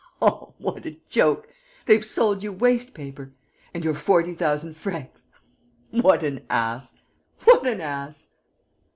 Oh, what a joke! They've sold you waste paper! And your forty thousand francs! What an ass! What an ass!"